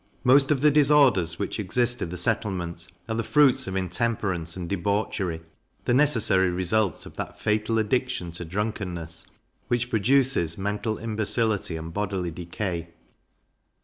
Most of the disorders which exist in the settlement are the fruits of intemperance and debauchery, the necessary result of that fatal addiction to drunkenness, which produces mental imbecility and bodily decay.